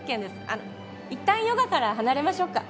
あの一旦ヨガから離れましょうか？